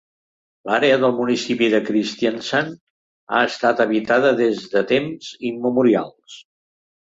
L'àrea del municipi de Kristiansand ha estat habitada des de temps immemorials.